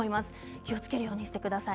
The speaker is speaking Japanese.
気をつけるようにしてください。